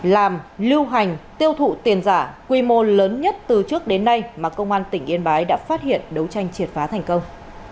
làm lưu hành tiêu thụ tiền giả quy mô lớn nhất từ trước đến nay mà công an tỉnh yên bái đã phát hiện đấu tranh triệt phá thành công